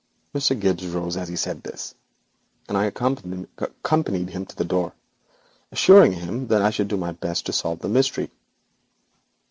Mr. Gibbes rose as he said this, and I accompanied him to the door assuring him that I should do my best to solve the mystery.